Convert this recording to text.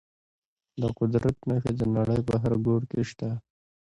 د قدرت نښې د نړۍ په هر ګوټ کې شته.